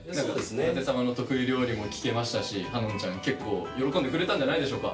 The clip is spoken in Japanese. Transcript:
ダテ様の得意料理も聞けましたしはのんちゃん結構喜んでくれたんじゃないでしょうか。